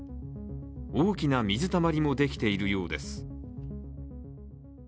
大きな水たまりもできているようです。